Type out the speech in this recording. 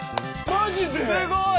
マジで⁉すごい！